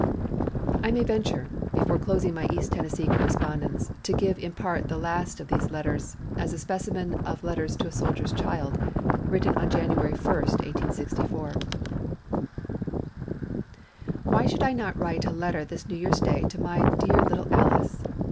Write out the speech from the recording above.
I may venture, before closing my East Tennessee correspondence, to give in part the last of these letters, as a specimen of letters to a soldier's child, written on January 1, 1864: "Why should I not write a letter this New Year's Day to my dear little Alice?